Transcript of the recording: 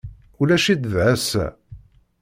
Ulac-itt da ass-a.